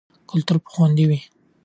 کلتور به خوندي وي.